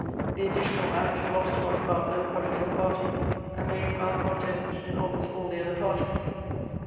The "Additional Act" lost Bonaparte the Republican Party and made malcontents in almost all the other parties.